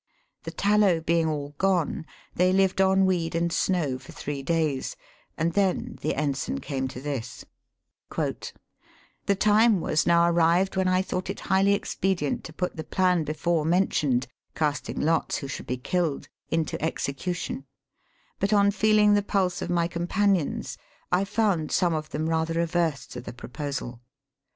The tallow being all gone, they lived on weed and snow for three days, and then the ensign came to this :" The time was now arrived when I thought it highly expedient to put the plan before mentioned (casting lots who should be killed) into execution ; but on feeling the pulse of my compa nions, I found some of them rather averse to the proposal.